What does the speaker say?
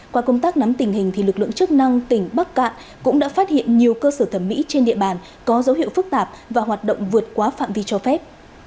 qua công tác nắm tình hình lực lượng chức năng tỉnh bắc cạn cũng đã phát hiện nhiều cơ sở thẩm mỹ trên địa bàn có dấu hiệu phức tạp và hoạt động vượt quá phạm vi cho phép